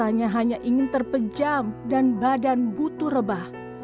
rasanya hanya ingin terpejam dan badan butuh rebah